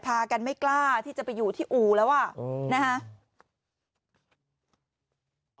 พากันไม่กล้าที่จะไปอยู่ที่อู่แล้วอ่ะนะฮะ